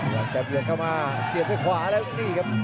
อยากจะเข้ามาเสียบไปขวาและลุงนี่ครับ